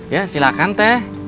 ya silahkan teh